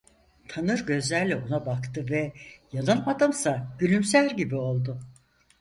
Tanır gözlerle ona baktı ve yanılmadımsa gülümser gibi oldu.